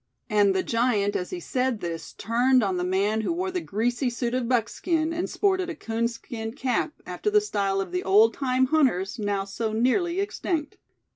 and the giant as he said this, turned on the man who wore the greasy suit of buckskin, and sported a coonskin cap, after the style of the old time hunters, now so nearly extinct.